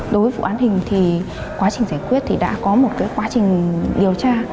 đối với vụ án hình thì quá trình giải quyết thì đã có một quá trình điều tra